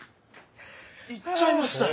行っちゃいましたよ。